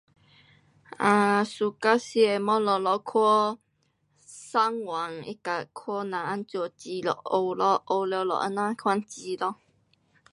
[um]suka 吃的东西，就看上网它跟看人怎么煮咯，学咯。学了咯这样款煮咯。